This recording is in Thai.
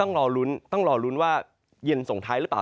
ต้องรอลุ้นต้องรอลุ้นว่าเย็นส่งท้ายหรือเปล่า